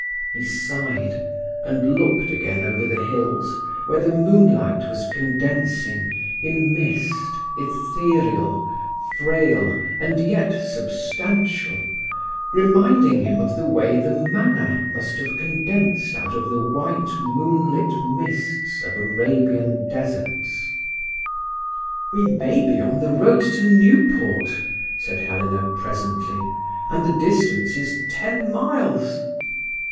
He sighed, and looked again over the hills where the moonlight was condensing in mist ethereal, frail, and yet substantial, reminding him of the way the manna must have condensed out of the white moonlit mists of Arabian deserts. "We may be on the road to Newport," said Helena presently, "and the distance is ten miles."